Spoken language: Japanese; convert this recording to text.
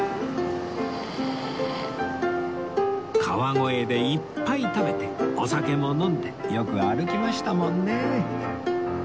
川越でいっぱい食べてお酒も飲んでよく歩きましたもんね